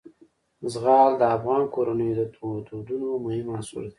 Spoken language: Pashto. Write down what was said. زغال د افغان کورنیو د دودونو مهم عنصر دی.